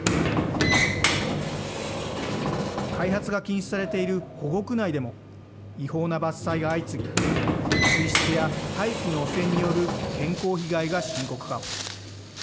開発が禁止されている保護区内でも違法な伐採が相次ぎ水質や大気の汚染による健康被害が深刻化。